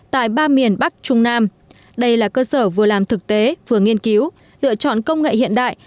tại ba miền bắc trung nam đây là cơ sở vừa làm thực tế vừa nghiên cứu lựa chọn công nghệ hiện đại